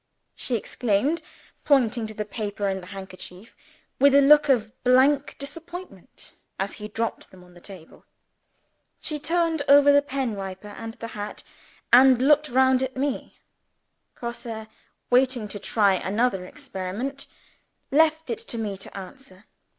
_" she exclaimed, pointing to the paper and the handkerchief, with a look of blank disappointment as he dropped them on the table. She turned over the pen wiper and the hat, and looked round at me. Grosse, waiting to try another experiment, left it to me to answer.